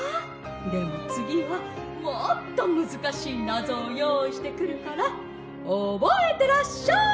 でもつぎはもっとむずかしいナゾをよういしてくるからおぼえてらっしゃい！